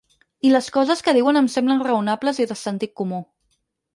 I les coses que diuen em semblen raonables i de sentit comú.